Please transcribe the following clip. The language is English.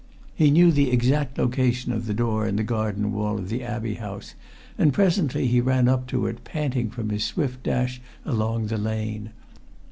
He knew the exact location of the door in the garden wall of the Abbey House and presently he ran up to it, panting from his swift dash along the lane.